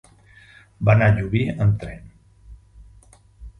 Va anar a Llubí amb tren.